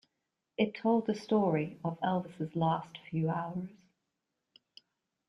It told the story of Elvis' last few hours.